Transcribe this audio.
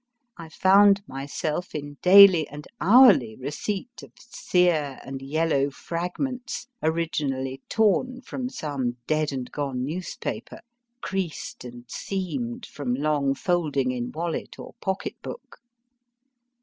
I found myself in daily and hourly receipt of sere and yellow fragments, originally torn from some dead and gone newspaper, creased and seamed from long folding in wallet or pocket book.